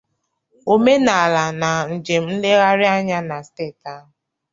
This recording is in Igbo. omenala na njem nlegharịanya na steeti ahụ.